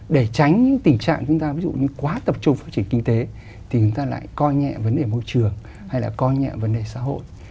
để tránh những tình trạng chúng ta ví dụ như quá tập trung phát triển kinh tế thì chúng ta lại coi nhẹ vấn đề môi trường hay là coi nhẹ vấn đề xã hội